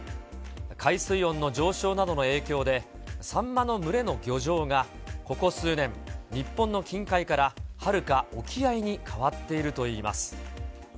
海水温の上昇などの影響で、サンマの群れの漁場が、ここ数年、日本の近海からはるか沖合に変わっているといいます。